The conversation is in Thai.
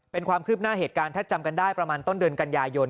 เป็นความคืบหน้าเหตุการณ์ถ้าจำกันได้ประมาณต้นเดือนกันยายน